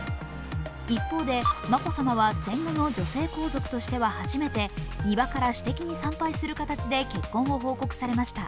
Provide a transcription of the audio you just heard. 一方で、眞子さまは戦後の女性皇族としては初めて庭から私的に参拝する形で結婚を報告されました。